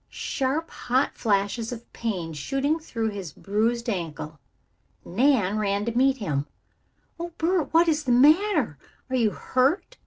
Sharp, hot flashes of pain shooting through his bruised ankle. Nan ran to meet him. "Oh, Bert, what is the matter? Are you hurt?"